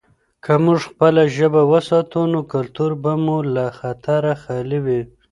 که موږ خپله ژبه وساتو، نو کلتور به له خطره خالي وي.